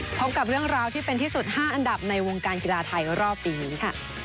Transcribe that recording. พบกับเรื่องราวที่เป็นที่สุด๕อันดับในวงการกีฬาไทยรอบปีนี้ค่ะ